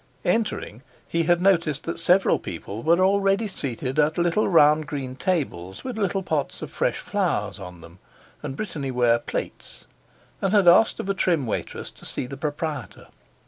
Entering, he had noticed that several people were already seated at little round green tables with little pots of fresh flowers on them and Brittany ware plates, and had asked of a trim waitress to see the proprietor.